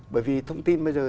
bởi vì thông tin bây giờ thì